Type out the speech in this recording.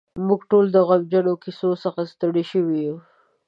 موږ ټول د غمجنو کیسو څخه ستړي شوي یو.